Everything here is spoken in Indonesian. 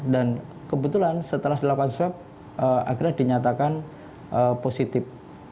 kebetulan setelah dilakukan swab akhirnya dinyatakan positif